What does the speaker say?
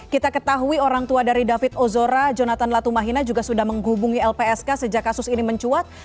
kita ketahui orang tua dari david ozora jonathan latumahina juga sudah menghubungi lpsk sejak kasus ini mencuat